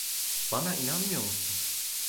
Bana inanmıyor musun?